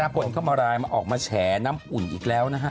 คนเข้ามารายออกมาแชนน้ำอุ่นอีกแล้วนะฮะ